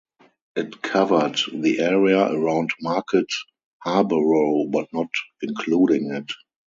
It covered the area around Market Harborough, but not including it.